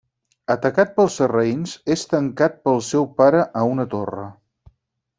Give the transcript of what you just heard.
Atacat pels sarraïns, és tancat pel seu pare a una torre.